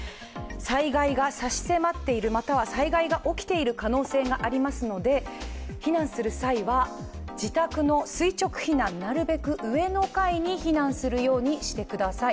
災害が差し迫っている、または災害が起きている可能性がありますので、避難する際は自宅の垂直避難、なるべく上の階に避難するようにしてください。